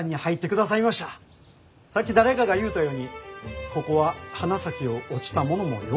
さっき誰かが言うたようにここは花咲を落ちた者もよ